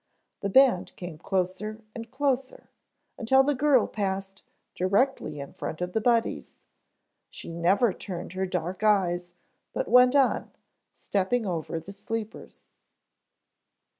The band came closer and closer until the girl passed directly in front of the Buddies. She never turned her dark eyes but went on, stepping over the sleepers.